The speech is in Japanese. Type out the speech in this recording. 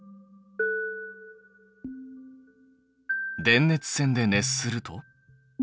電熱線で熱すると？